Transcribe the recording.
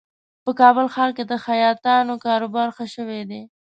په کابل ښار کې د خیاطانو کاروبار ښه شوی دی